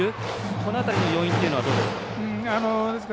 この辺りの要因というのはどうですか。